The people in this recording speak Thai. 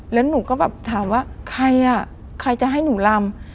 แล้วหนูก็แบบถามว่าใครอ่ะใครจะให้หนูลำ